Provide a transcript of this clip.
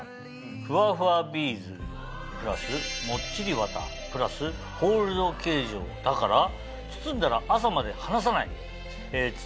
「ふわふわビーズプラスもっちり綿プラスホールド形状だから包んだら朝まで離さない！」。